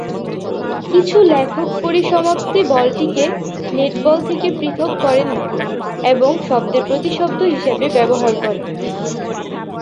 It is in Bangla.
কিছু লেখক পরিসমাপ্তি বলটিকে নেট বল থেকে পৃথক করেন না এবং শব্দের প্রতিশব্দ হিসাবে ব্যবহার করেন।